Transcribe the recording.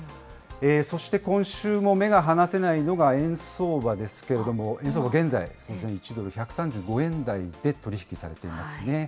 そして今週も目が離せないのが円相場ですけれども、円相場、現在１ドル１３５円台で取り引きされていますね。